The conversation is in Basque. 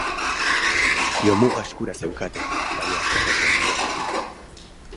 Jomuga eskura zeukaten, baina okerreko eskualdetik.